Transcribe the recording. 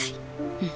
うん。